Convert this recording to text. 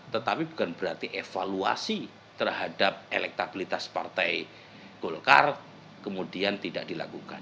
tetapi bukan berarti evaluasi terhadap elektabilitas partai golkar kemudian tidak dilakukan